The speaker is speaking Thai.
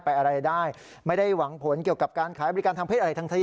อะไรได้ไม่ได้หวังผลเกี่ยวกับการขายบริการทางเพศอะไรทั้งสิ้น